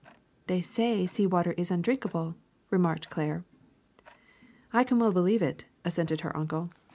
'^ "They say sea water is undrinkable, '' remarked Claire. "I can well believe it,'^ assented her uncle.